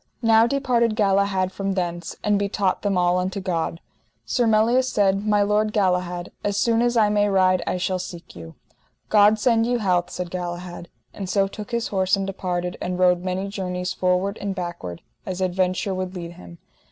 Now departed Galahad from thence, and betaught them all unto God. Sir Melias said: My lord Galahad, as soon as I may ride I shall seek you. God send you health, said Galahad, and so took his horse and departed, and rode many journeys forward and backward, as adventure would lead him.